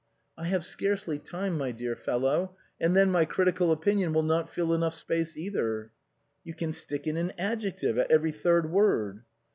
" I have scarcely time, my dear fellow, and then my critical opinion will not fill enougli space either." '* You can stick in an adjective at every third word."